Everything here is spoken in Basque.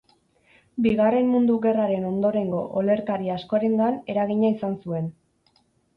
Bigarren Mundu Gerraren ondorengo olerkari askorengan eragina izan zuen.